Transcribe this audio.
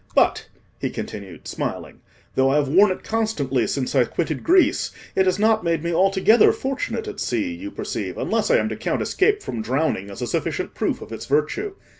But," he continued, smiling, "though I have worn it constantly since I quitted Greece, it has not made me altogether fortunate at sea, you perceive, unless I am to count escape from drowning as a sufficient proof of its virtue.